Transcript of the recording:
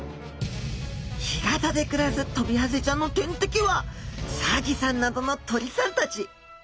干潟で暮らすトビハゼちゃんの天敵はサギさんなどの鳥さんたち。